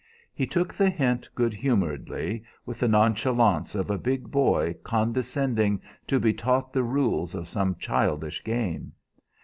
He took the hint good humoredly, with the nonchalance of a big boy condescending to be taught the rules of some childish game.